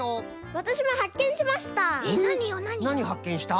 わたしもはっけんしました。